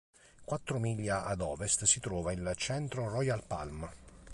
Quattro miglia ad ovest si trova il Centro Royal Palm.